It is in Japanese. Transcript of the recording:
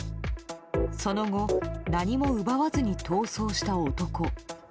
その後、何も奪わずに逃走した男。